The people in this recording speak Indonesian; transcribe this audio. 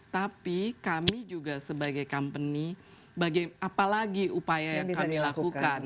tapi kami juga sebagai company apalagi upaya yang kami lakukan